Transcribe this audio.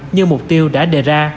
như mục tiêu đã đề ra